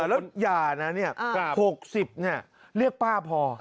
แล้วอย่านะเนี่ย๖๐เนี่ยเรียกป้าพอ